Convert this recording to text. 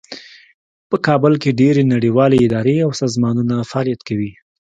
په کابل کې ډیرې نړیوالې ادارې او سازمانونه فعالیت کوي